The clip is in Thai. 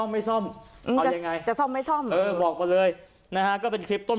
มันยังขับได้ไหม